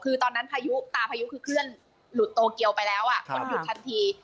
คือตอนนั้นพายุตาพายุคือเคลื่อนหลุดโตเกียวไปแล้วคนหยุดทันที